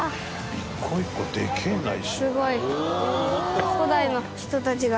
「一個一個でけえな石」